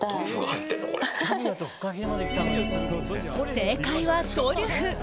正解はトリュフ。